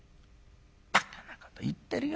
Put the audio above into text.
バカなこと言ってるよ